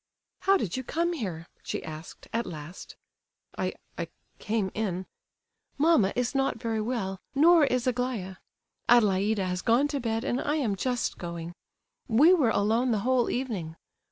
"How did you come here?" she asked, at last. "I—I—came in—" "Mamma is not very well, nor is Aglaya. Adelaida has gone to bed, and I am just going. We were alone the whole evening.